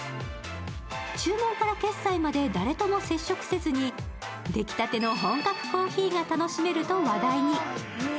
注文から決済まで誰とも接触せずに出来たての本格コーヒーが楽しめると話題に。